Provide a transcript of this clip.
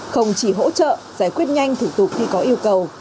không chỉ hỗ trợ giải quyết nhanh thủ tục khi có yêu cầu